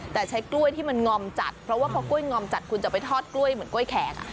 แต่ใช้กล้วยที่มันงอมจัดเพราะว่าพอกล้วยงอมจัดคุณจะไปทอดกล้วยเหมือนกล้วยแขก